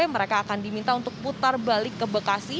mereka akan diminta untuk putar balik ke bekasi